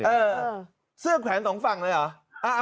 เออเสื้อแขวนสองฝั่งเลยเหรอ